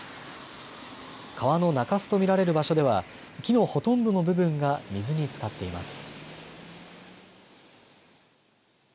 川の中州と見られる場所では木のほとんどの部分が水につかっています。